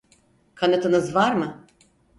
Kanıtınız var mı?